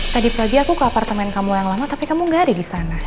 tadi pagi aku ke apartemen kamu yang lama tapi kamu gak ada di sana